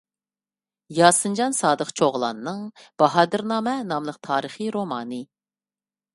ياسىنجان سادىق چوغلاننىڭ «باھادىرنامە» ناملىق تارىخىي رومانى